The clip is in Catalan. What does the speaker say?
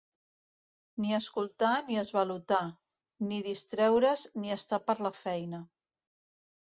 Ni escoltar ni esvalotar: ni distreure's, ni estar per la feina.